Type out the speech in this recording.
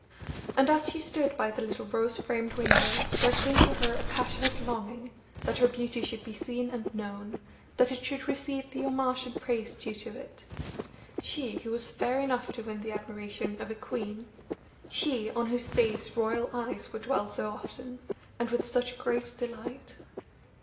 And as she stood by the little rose framed window there came to her a passionate longing that her beauty should be seen and known, that it should receive the homage and praise due to it. She, who was fair enough to win the admiration of a queen she, on whose face royal eyes would dwell so often, and with such great delight!